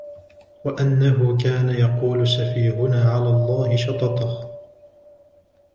وَأَنَّهُ كَانَ يَقُولُ سَفِيهُنَا عَلَى اللَّهِ شَطَطًا